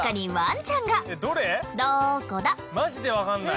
マジでわかんない！